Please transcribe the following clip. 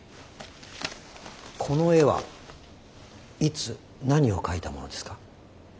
この絵はいつ何を描いたものですか？